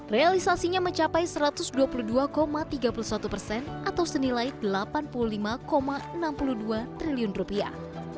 realisasinya mencapai satu ratus dua puluh dua tiga puluh satu persen atau senilai delapan puluh lima enam puluh dua triliun rupiah